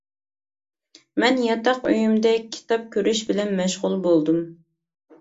مەن ياتاق ئۆيۈمدە كىتاب كۆرۈش بىلەن مەشغۇل بولدۇم.